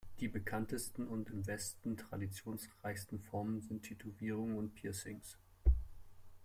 Die bekanntesten und im Westen traditionsreichsten Formen sind Tätowierungen und Piercings.